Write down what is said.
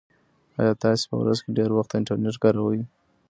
ایا تاسي په ورځ کې ډېر وخت انټرنيټ کاروئ؟